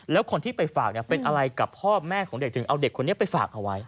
แล้วคนที่ไปฝากเป็นอะไรกับพ่อแม่ของเด็กถึงเอาเด็กคนนี้ไปฝากเอาไว้